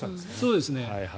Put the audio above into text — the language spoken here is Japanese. そうですね。